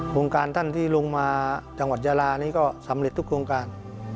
โครงการท่านที่ลงมาจังหวัดยาลานี้ก็สำเร็จทุกโครงการ